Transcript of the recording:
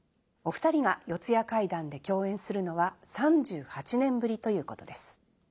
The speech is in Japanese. お二人が「四谷怪談」で共演するのは３８年ぶりということです。